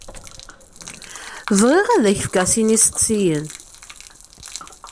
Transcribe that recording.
Bɣiɣ ad d-fkeɣ sin isteqsiyen.